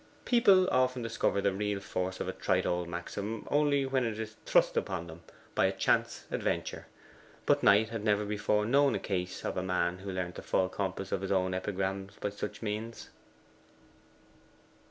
People often discover the real force of a trite old maxim only when it is thrust upon them by a chance adventure; but Knight had never before known the case of a man who learnt the full compass of his own epigrams by such means.